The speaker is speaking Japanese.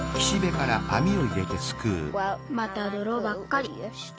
またドロばっかり。